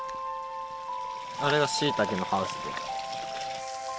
あれがしいたけのハウスです。